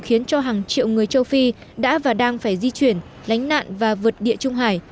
khiến cho hàng triệu người châu phi đã và đang phải di chuyển lánh nạn và vượt địa trung hải